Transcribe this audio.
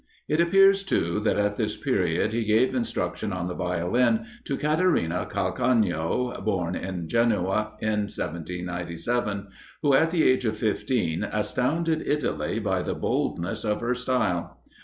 It appears too, that at this period he gave instruction on the Violin to Catarina Calcagno,[E] born at Genoa, in 1797, who, at the age of fifteen, astounded Italy by the boldness of her style.